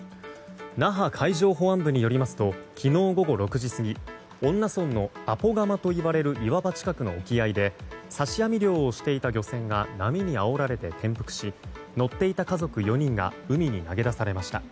那覇海上保安部によりますと昨日午後６時過ぎ恩納村のアポガマといわれる岩場近くの沖合で刺し網漁をしていた漁船が波にあおられて転覆し乗っていた家族４人が海に投げ出されました。